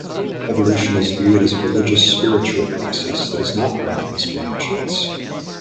Evolution is viewed as a religious spiritual process that is not meaningless blind chance.